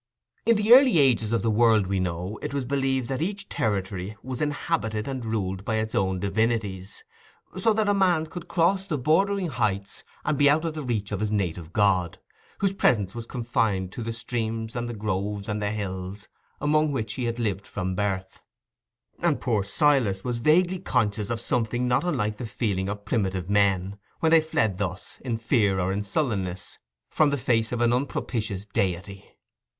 In the early ages of the world, we know, it was believed that each territory was inhabited and ruled by its own divinities, so that a man could cross the bordering heights and be out of the reach of his native gods, whose presence was confined to the streams and the groves and the hills among which he had lived from his birth. And poor Silas was vaguely conscious of something not unlike the feeling of primitive men, when they fled thus, in fear or in sullenness, from the face of an unpropitious deity.